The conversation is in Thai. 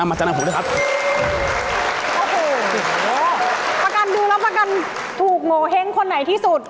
ป๊ากันดูแล้วป๊ากันถูกโงเฮ้งคนไหนที่สุด